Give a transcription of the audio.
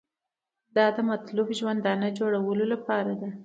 دا د مطلوب ژوندانه جوړولو لپاره ده.